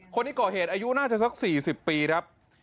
คนที่ก่อเหตุอายุน่าจะสัก๔๐ปีครับ